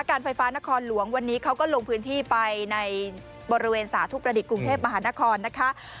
การไฟฟ้านครหลวงวันนี้เขาก็ลงพื้นที่ไปในบริเวณสาธุประดิษฐ์กรุงเทพมหานครนะคะ